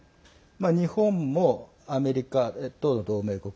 日本もアメリカと同盟国。